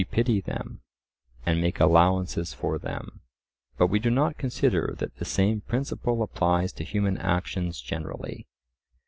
We pity them, and make allowances for them; but we do not consider that the same principle applies to human actions generally.